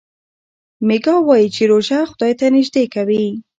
میکا وايي چې روژه خدای ته نژدې کوي.